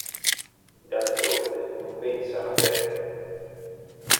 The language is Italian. D'altronde, non pensa a te?